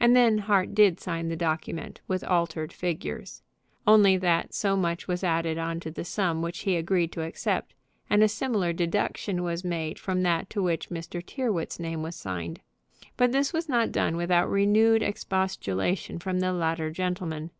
And then Hart did sign the document with altered figures: only that so much was added on to the sum which he agreed to accept, and a similar deduction made from that to which Mr. Tyrrwhit's name was signed. But this was not done without renewed expostulation from the latter gentleman.